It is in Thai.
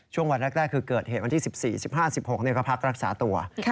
วันแรกคือเกิดเหตุวันที่๑๔๑๕๑๖ก็พักรักษาตัว